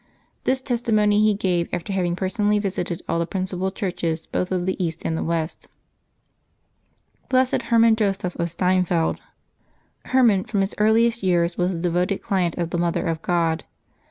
This testimony he gave after having personally visited all the principal churches, both of the East and the West. BLESSED HERMAN JOSEPH OF STEINFELD. HERMAN" from his earliest years was a devoted client of the Mother of God.